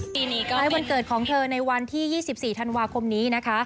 ปีนี้ก็วันเกิดของเธอในวันที่ยี่สิบสี่ธันวาคมนี้นะคะ